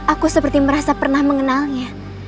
aku seperti merasa pernah mengenalnya